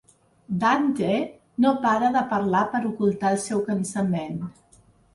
Dante no para de parlar per ocultar el seu cansament.